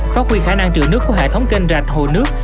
phát huy khả năng chịu nước của hệ thống kênh rạch hồ nước